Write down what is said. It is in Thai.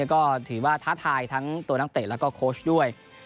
ก็ถือว่าท้าทายทั้งตัวนักเตะแล้วก็โค้ชด้วย